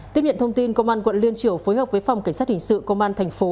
tiếp nhận thông tin công an quận liên triểu phối hợp với phòng cảnh sát hình sự công an thành phố